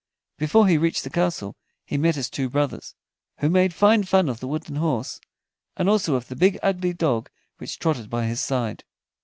Before he reached the castle, he met his two brothers, who made fine fun of the wooden horse, and also of the big ugly dog which trotted by his side.